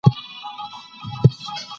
داسې خلګ تل په دښمنۍ کي ژوند تېروي.